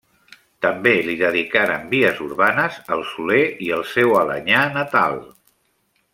També li dedicaren vies urbanes el Soler i el seu Alenyà natal.